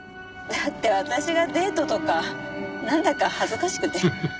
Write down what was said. だって私がデートとかなんだか恥ずかしくて。